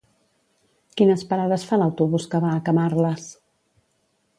Quines parades fa l'autobús que va a Camarles?